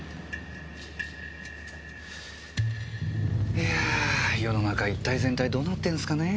いやぁ世の中一体全体どうなってるんすかねぇ？